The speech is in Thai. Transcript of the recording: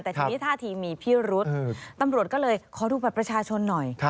แต่ทีนี้ท่าทีมีพิรุษตำรวจก็เลยขอดูบัตรประชาชนหน่อย